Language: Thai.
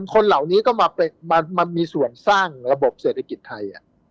คนเหล่านี้ก็มามีส่วนสร้างระบบเศรษฐกิจไทย